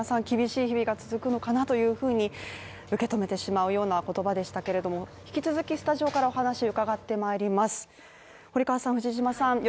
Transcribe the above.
厳しい日々が続くのかなというふうに受け止めてしまうような言葉でしたけれども、引き続きスタジオからお話を伺って参ります堀川さん藤嶋さん